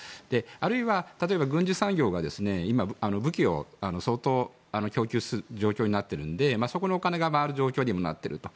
あるいは、例えば軍需産業は武器を今、相当供給する状況になっているのでそのお金が回る状況になっていると。